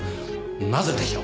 なぜでしょう？